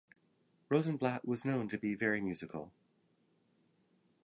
Rosenblatt was known to be very musical.